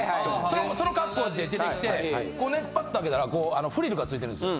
その格好で出てきてこうねパッと上げたらフリルが付いてるんですよ。